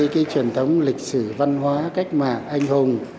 cái truyền thống lịch sử văn hóa cách mạng anh hùng